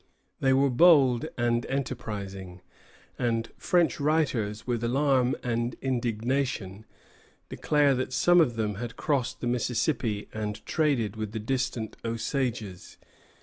They were bold and enterprising; and French writers, with alarm and indignation, declare that some of them had crossed the Mississippi and traded with the distant Osages.